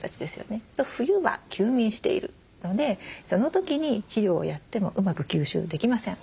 冬は休眠しているのでその時に肥料をやってもうまく吸収できません。